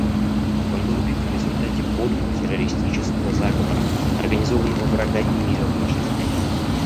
Он был убит в результате подлого террористического заговора, организованного врагами мира в нашей стране.